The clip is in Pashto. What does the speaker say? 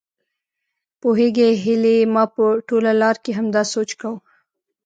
پوهېږې هيلې ما په ټوله لار کې همداسې سوچ کاوه.